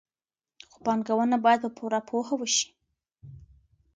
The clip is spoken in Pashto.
خو پانګونه باید په پوره پوهه وشي.